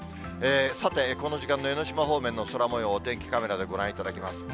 さて、この時間の江の島方面の空もよう、お天気カメラでご覧いただきます。